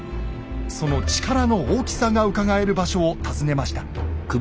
その力の大きさがうかがえる場所を訪ねました。